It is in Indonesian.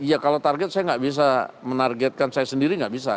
iya kalau target saya nggak bisa menargetkan saya sendiri nggak bisa